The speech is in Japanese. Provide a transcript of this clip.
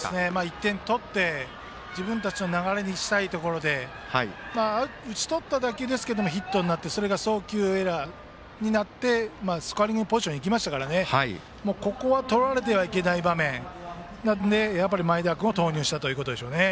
１点取って自分たちの流れにしたいところで打ち取った打球ですがヒットになってそれが送球エラーになってスコアリングポジションに行きましたからここは取られてはいけない場面なので前田君を投入したということでしょうね。